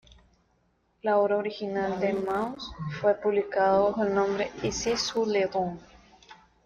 La obra original de Mauss fue publicada bajo el nombre: "Essai sur le don.